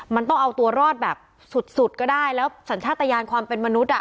มันต้องเอาตัวรอดแบบสุดสุดก็ได้แล้วสัญชาติยานความเป็นมนุษย์อ่ะ